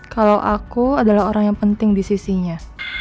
kalau aku adalah orang yang penting disisinya